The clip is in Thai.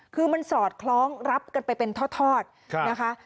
คือมันสอดคล้องรับกันไปเป็นทอดนะคะ